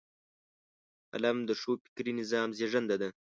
قلم د ښو فکري نظام زیږنده ده